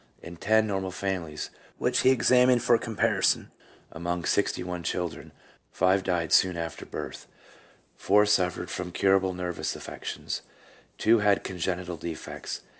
In ten normal families, which he examined for com parison, among sixty one children, five died soon after birth ; four suffered from curable nervous affections; two had congenital defects.